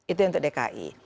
itu yang untuk dki